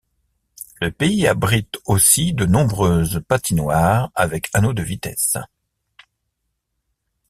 Le pays abrite aussi de nombreuses patinoires avec anneaux de vitesse.